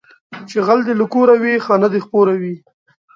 چې غل دې له کوره وي، خانه دې خپوره وي